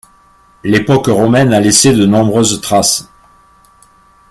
L’époque romaine a laissé de nombreuses traces.